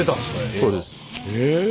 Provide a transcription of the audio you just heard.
そうです。え！